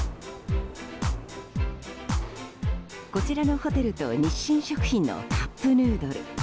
こちらのホテルと日清食品のカップヌードル。